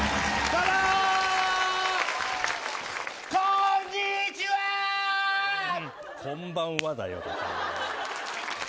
こんばんはだよ。